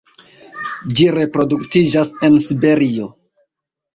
Ĝi reproduktiĝas en Siberio.